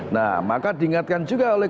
nah maka diingatkan juga oleh